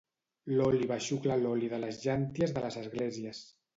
L'òliba xucla l'oli de les llànties de les esglésies.